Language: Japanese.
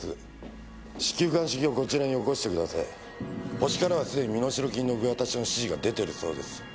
ホシからはすでに身代金の受け渡しの指示が出てるそうです。